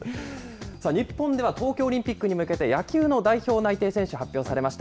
日本では東京オリンピックに向けて野球の代表内定選手、発表されました。